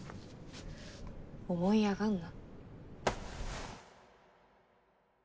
思い上がんな。